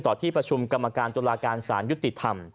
ที่ประชุมกรรมการจุฬาการสารยุติธรรม